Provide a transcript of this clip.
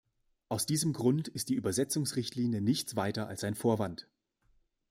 Aus diesem Grund ist die Übersetzungsrichtlinie nichts weiter als ein Vorwand.